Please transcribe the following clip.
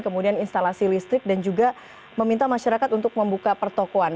kemudian instalasi listrik dan juga meminta masyarakat untuk membuka pertokohan